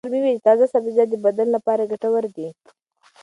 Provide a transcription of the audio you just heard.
مور مې وویل چې تازه سبزیجات د بدن لپاره ګټور دي.